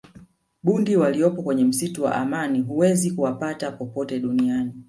bundi waliyopo kwenye msitu wa amani huwezi kuwapata popote duniani